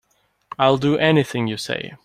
I'll do anything you say.